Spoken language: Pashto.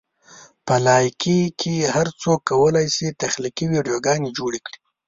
په لایکي کې هر څوک کولی شي تخلیقي ویډیوګانې جوړې کړي.